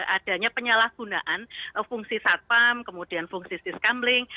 adanya penyalahgunaan fungsi satpam kemudian fungsi siskambling